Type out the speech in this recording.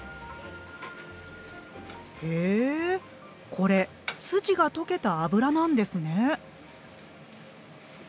へえこれスジが溶けた脂なんですね。